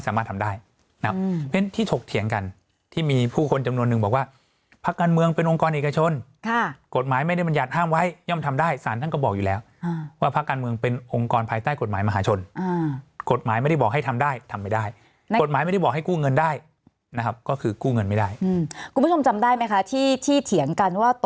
ได้เป็นที่ถกเถียงกันที่มีผู้คนจำนวนหนึ่งบอกว่าพระการเมืองเป็นองค์กรเอกชนค่ะกฎหมายไม่ได้บรรยัติห้ามไว้ย่อมทำได้สารท่านก็บอกอยู่แล้วว่าพระการเมืองเป็นองค์กรภายใต้กฎหมายมหาชนอ่ากฎหมายไม่ได้บอกให้ทำได้ทำไม่ได้กฎหมายไม่ได้บอกให้กู้เงินได้นะครับก็คือกู้เงินไม่ได้อืมคุณผู้ช